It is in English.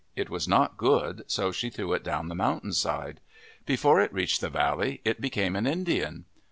It was not good, so she threw it down the mountain side. Before it reached the valley it became an Indian.